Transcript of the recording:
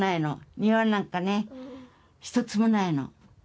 庭なんかね、ひとつもないの。